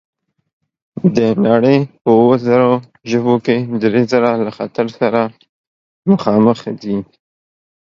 د نړۍ په اووه زره ژبو کې درې زره له خطر سره مخامخ دي.